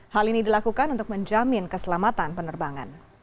hal ini dilakukan untuk menjamin keselamatan penerbangan